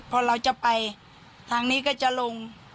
พอเราจะไปทางนี้ก็จะลง